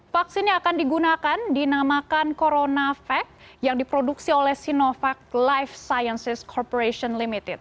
vaksin yang akan digunakan dinamakan coronavac yang diproduksi oleh sinovac life sciences corporation limited